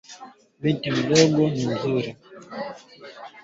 Pengo limesalia kati ya asilimia kumi na tisa hadi thelathini na sita